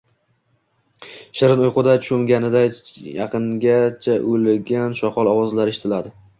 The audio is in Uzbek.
Shirin uyquga cho`mganingda yaqinginada uligan shoqol ovozlari eshitiladi